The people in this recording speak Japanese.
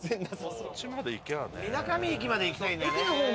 水上駅まで行きたいんだよね。